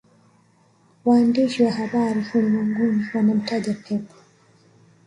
Waandishi wa habari ulimwenguni wanamtaja Pep